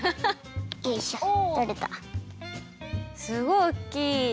すごいおっきい！